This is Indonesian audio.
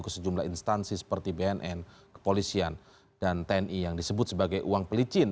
ke sejumlah instansi seperti bnn kepolisian dan tni yang disebut sebagai uang pelicin